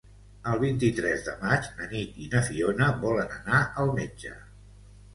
El vint-i-tres de maig na Nit i na Fiona volen anar al metge.